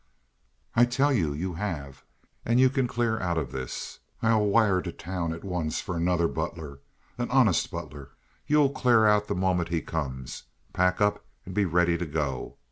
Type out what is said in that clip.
"I tell you you have. And you can clear out of this. I'll wire to town at once for another butler an honest butler. You'll clear out the moment he comes. Pack up and be ready to go.